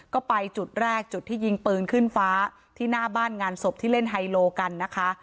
ก็ไปจุดแรกจุดที่ยิงปืนขึ้นฟ้าที่หน้าบ้านงานศพที่เล่นไฮโลกันนะคะ